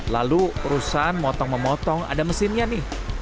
lalu urusan motong memotong ada mesinnya nih